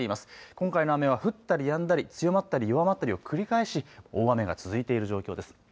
今回の雨は降ったりやんだり強まったり弱まったりを繰り返し大雨が続いている状況です。